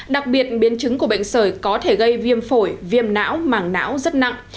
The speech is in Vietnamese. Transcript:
đặc biệt biến chứng của bệnh sởi có thể gây viêm phổi viêm não mảng não rất nặng